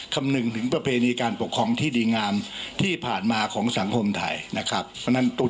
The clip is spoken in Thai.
ผมนั้นต้องขอบคุณทุกท่านนะครับแล้วผมคิดว่าในภายในเร็ววันไม่ค่อยประตูช